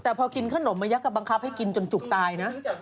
แต่พอกินขนมมายักษ์ก็บังคับให้กินจนจุกตายนะ